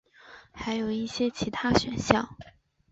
还有一些其他选项。